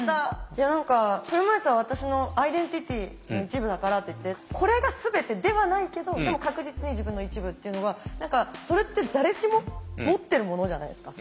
いや車いすは私のアイデンティティーの一部だからって言ってこれが全てではないけどでも確実に自分の一部っていうのがそれって誰しも持ってるものじゃないですか。